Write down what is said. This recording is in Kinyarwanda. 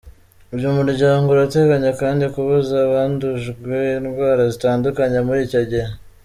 Uyu muryango urateganya kandi kuvuza abandujwe indwara zitandukanye muri icyo gihe.